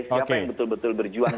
siapa yang betul betul berjuang